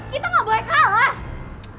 kita nggak boleh kalah